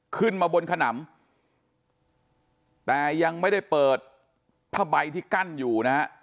ขึ้นมาบนขนำแต่ยังไม่ได้เปิดผ้าใบที่กั้นอยู่นะฮะ